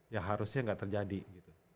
ya harusnya nggak terjadi gitu